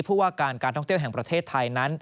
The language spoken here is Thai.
ผู้ว่าการการท่องเที่ยวแห่งประเทศไทยนั้น